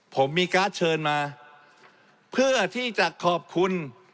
ผมมีการ์ดเชิญมาเพื่อที่จะขอบคุณ